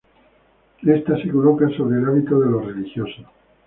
Esta se coloca sobre el hábito de los religiosos.